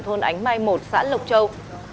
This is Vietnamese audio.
thôn ánh mai một xã lộc châu